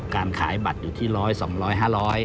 การขายบัตรอยู่ที่๑๐๐๒๐๐๕๐๐บาท